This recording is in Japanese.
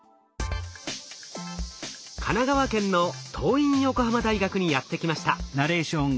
神奈川県の桐蔭横浜大学にやって来ました。